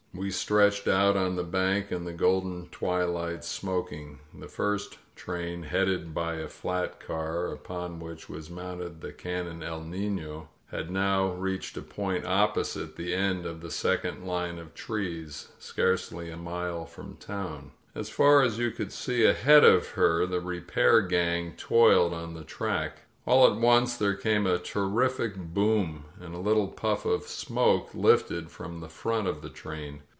We stretched out on the bank in the golden twflight, smoking. The first train, headed by a flat car uppn 247 INSURGENT MEXICO which was mounted the cannon *^E1 Nino, had now reached a point opposite the end of the second line of trees — scarcely a mile from town. As far as you could see ahead of her, the repair gang toiled on the track. All at once there came a terrific boom, and a little puff of smoke lifted from the front of the train.